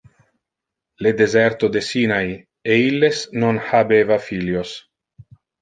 le deserto de Sinai, e illes non habeva filios.